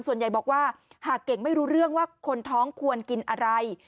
ส่วนใหญ่บอกว่าหากเก่งไม่รู้เรื่องว่าคนท้องควรกินอะไร